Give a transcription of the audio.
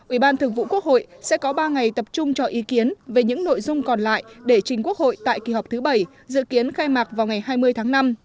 ủy ban thường vụ quốc hội sẽ có ba ngày tập trung cho ý kiến về những nội dung còn lại để chính quốc hội tại kỳ họp thứ bảy dự kiến khai mạc vào ngày hai mươi tháng năm